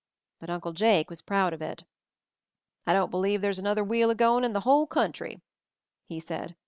But Uncle Jake was proud of it. "I don't believe there's another wheel agoin' in the whole country," he said.